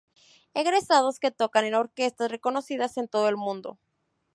Egresados que tocan en orquestas reconocidas en todo el mundo.